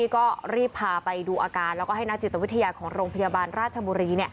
ก็รีบพาไปดูอาการแล้วก็ให้นักจิตวิทยาของโรงพยาบาลราชบุรี